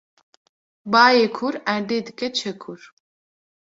Bayê kûr erdê dike çekûr